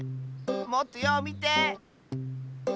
もっとようみて！